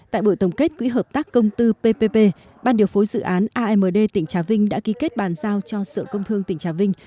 tại buổi tổng kết quỹ hợp tác công tư ppp ban điều phối dự án amd tỉnh trà vinh đã ký kết bàn giao cho sở công thương tỉnh trà vinh